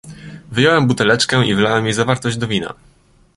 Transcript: "Wyjąłem buteleczkę i wlałem jej zawartość do wina."